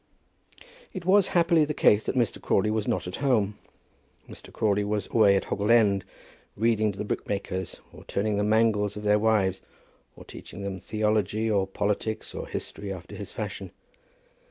It was happily the case that Mr. Crawley was not at home. Mr. Crawley was away at Hoggle End, reading to the brickmakers, or turning the mangles of their wives, or teaching them theology, or politics, or history, after his fashion.